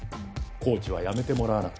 コーチは辞めてもらわなくちゃ。